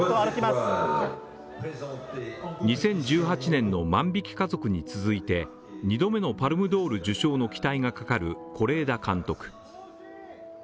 ２０１８年の「万引き家族」に続いて２度目のパルムドール受賞の期待がかかる是枝監督。